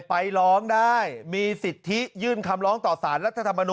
ไปร้องได้มีสิทธิยื่นคำร้องต่อสารรัฐธรรมนุน